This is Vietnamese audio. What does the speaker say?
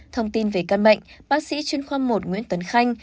thông tin về căn bệnh bác sĩ chuyên khoa một nguyễn tấn khanh